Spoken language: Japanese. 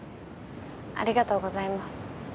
ありがとうございます。